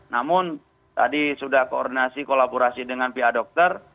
namun tadi sudah koordinasi kolaborasi dengan pihak dokter